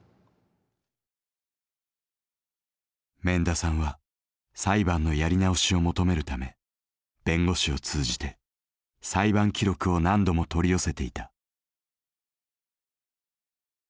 免田さんは裁判のやり直しを求めるため弁護士を通じて裁判記録を何度も取り寄せていた。